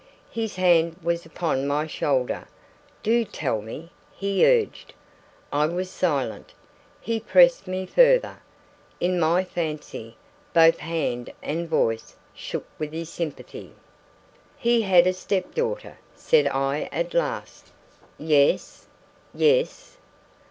His hand was upon my shoulder. "Do tell me," he urged. I was silent. He pressed me further. In my fancy, both hand and voice shook with his sympathy. "He had a step daughter," said I at last. "Yes? Yes?"